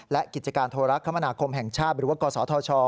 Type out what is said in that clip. และกิจการโทรคมนาคมแห่งชาติหรือว่ากศธช